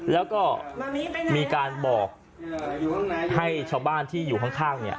แล้วก็มีการบอกให้ชาวบ้านที่อยู่ข้างเนี่ย